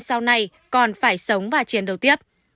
sau này còn phải sống và chiến đấu tiếp